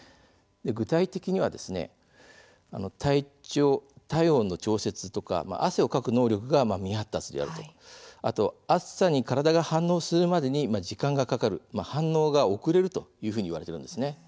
具体的には体温の調節とか汗をかく能力が未発達であったり暑さに体が反応するまでに時間がかかる反応が遅れるというふうにいわれています。